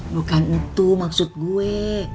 bukan itu maksud gue